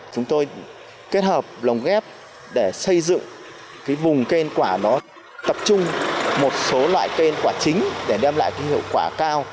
chúng tôi kết hợp lồng ghép để xây dựng vùng cây ăn quả tập trung một số loại cây ăn quả chính để đem lại hiệu quả cao